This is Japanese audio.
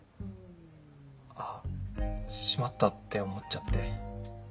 あしまったって思っちゃって。